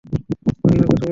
পূর্ণিমার কথা বলছিস?